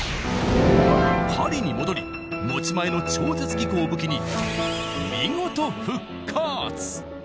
パリに戻り持ち前の超絶技巧を武器に見事復活！